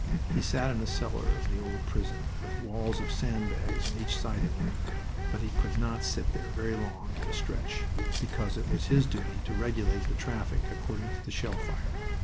He sat in a cellar of the old prison, with walls of sandbags on each side of him, but he could not sit there very long at a stretch, because it was his duty to regulate the traffic according to the shell fire.